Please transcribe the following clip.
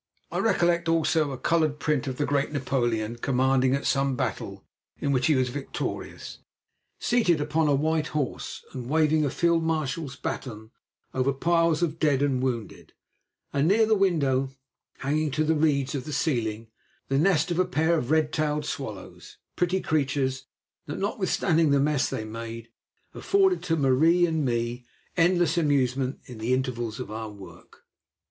I recollect also a coloured print of the great Napoleon commanding at some battle in which he was victorious, seated upon a white horse and waving a field marshal's baton over piles of dead and wounded; and near the window, hanging to the reeds of the ceiling, the nest of a pair of red tailed swallows, pretty creatures that, notwithstanding the mess they made, afforded to Marie and me endless amusement in the intervals of our work.